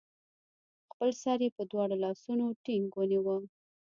خپل سر يې په دواړو لاسونو ټينګ ونيوه